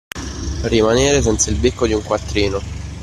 Rimanere senza il becco di un quattrino.